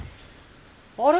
あれ？